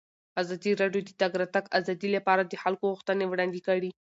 ازادي راډیو د د تګ راتګ ازادي لپاره د خلکو غوښتنې وړاندې کړي.